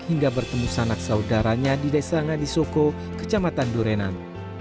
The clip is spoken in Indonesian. hingga bertemu sanak saudaranya di desa ngadi soko kecamatan durenan